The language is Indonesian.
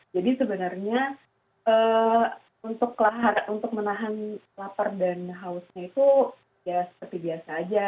jadi sebenarnya untuk menahan lapar dan hausnya itu ya seperti biasa aja